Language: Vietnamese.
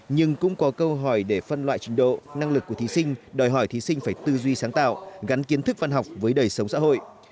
nhưng cũng có câu hỏi để phân loại trình độ năng lực của thí sinh đòi hỏi thí sinh phải tư duy sáng tạo gắn kiến thức văn học với đời sống xã hội